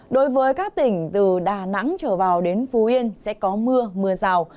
đối với các tỉnh từ đà nẵng trở vào đến phú yên sẽ có mưa mưa rào